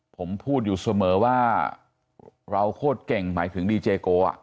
ผมพูดอยู่เสมอว่าเราโคตรเก่งหมายถึงดีเจโก